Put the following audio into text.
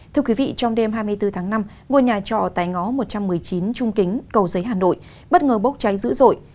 thưa quý vị trong đêm hai mươi bốn tháng năm ngôi nhà trọ tại ngõ một trăm một mươi chín trung kính cầu giấy hà nội bất ngờ bốc cháy dữ dội